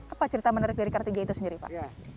apa cerita menarik dari kartiga itu sendiri pak